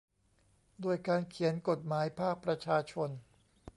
ด้วยการเขียนกฎหมายภาคประชาชน